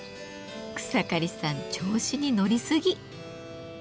草刈さん調子に乗りすぎ。